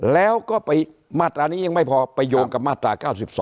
แล้วก็ไปมาตรานี้ยังไม่พอไปโยงกับมาตรา๙๒